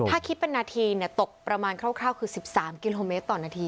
ถ้าคิดเป็นนาทีตกประมาณคร่าวคือ๑๓กิโลเมตรต่อนาที